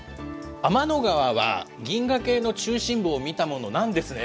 天の川は銀河系の中心部を見たものなんですね？